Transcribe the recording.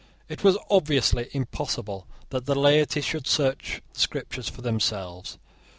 It was obviously impossible that the laity should search the Scriptures for themselves.